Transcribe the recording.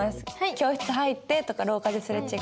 教室入ってとか廊下ですれ違って。